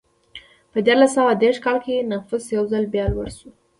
په دیارلس سوه دېرش کال کې نفوس یو ځل بیا لوړ شو.